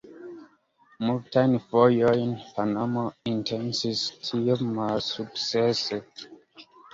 Multajn fojojn Panamo intencis tion, malsukcese.